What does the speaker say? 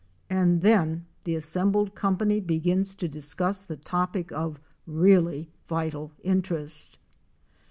and then the assembled company begins to discuss the topic of really vital interest.